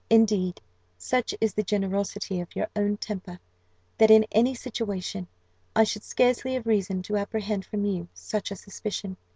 Indeed, such is the generosity of your own temper, that in any situation I should scarcely have reason to apprehend from you such a suspicion.